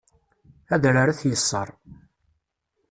Adrar ad t-yeṣṣer.